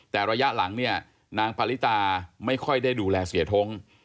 แต่ระยะหลังเนี่ยนางปริตาไม่ค่อยได้ดูแลเสียท้ง